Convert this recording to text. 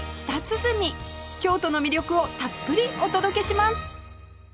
京都の魅力をたっぷりお届けします